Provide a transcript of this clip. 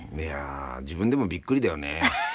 いや自分でもびっくりだよね。